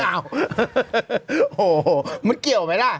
โอ้โหมันเกี่ยวไหมล่ะ